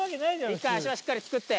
１回足場しっかり作って。